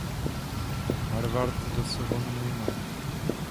Harvard vs von Neumann